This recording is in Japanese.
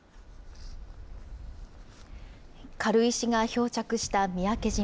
軽石が漂着した三宅島。